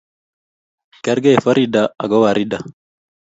Kergei Farida ago Waridi